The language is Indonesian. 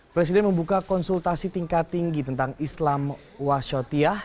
presiden membuka konsultasi tingkat tinggi tentang islam washotiah